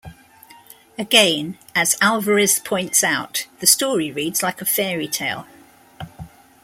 Again, as Alvarez points out, the story reads like a fairy tale.